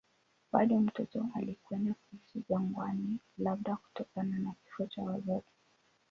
Bado mtoto alikwenda kuishi jangwani, labda kutokana na kifo cha wazazi.